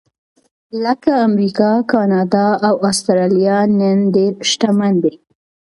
لکه امریکا، کاناډا او اسټرالیا نن ډېر شتمن دي.